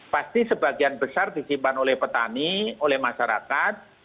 pasti sebagian besar disimpan oleh petani oleh masyarakat